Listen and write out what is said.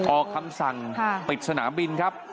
ออกคำสั่งปิดสนามบินครับ